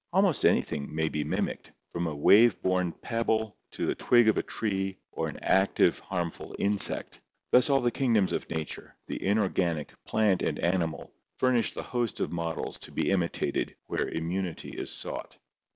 Almost anything may be mimicked, from a wave worn pebble to a twig of a tree or an active harmful insect. Thus all the king doms of nature, the inorganic, plant, and animal, furnish the host of models to be imitated where immunity is sought.